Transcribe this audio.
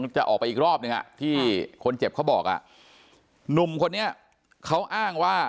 จะออกไปอีกรอบนึงที่คนเจ็บเขาบอกอ่ะหนุ่มคนนี้เขาอ้างว่า